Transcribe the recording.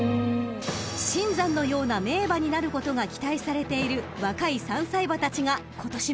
［シンザンのような名馬になることが期待されている若い３歳馬たちが今年も集まりました！］